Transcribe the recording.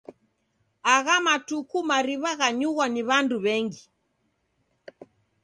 Agha matuku kunywa mariw'a ghanyughwa ni w'andu w'engi.